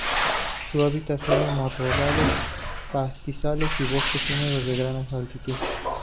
Su hábitat son los matorrales, pastizales y bosques húmedos de gran altitud.